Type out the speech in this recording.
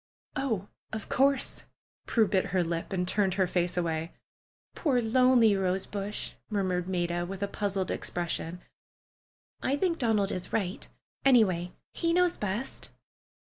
"Oh, of course !" Prue bit her lip and turned her face away. "Poor, lonely rosebush!" murmured Maida, with a puzzled expression. "I think Donald is right. Any way, he knows best."